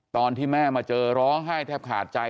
ตอนที่แม่มาเจอร้องไห้แทบขาดใจ